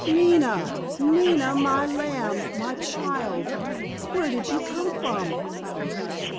"Nina! Nina! My lamb! My child! Where did you come from?"